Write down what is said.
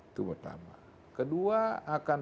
itu pertama kedua akan